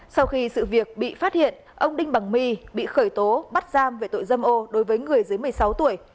sau khi sự việc bị phát hiện ông đinh bằng my bị khởi tố bắt giam về tội dâm ô đối với người dưới một mươi sáu tuổi